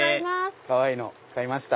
かわいいの買いました。